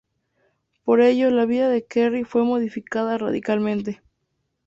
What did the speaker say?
Por ello, la vida de Kerry fue modificada radicalmente.